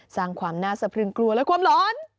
สร้างความน่าสะพรึงกลัวและความร้อน